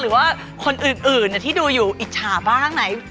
หรือว่าคนอื่นที่ดูอยู่อิจฉาบ้างไหน